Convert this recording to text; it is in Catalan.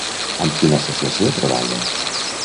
Amb quina associació treballa?